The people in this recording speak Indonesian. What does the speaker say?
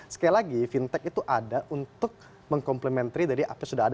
sekali lagi fintech itu ada untuk mengkomplementary dari apa yang sudah ada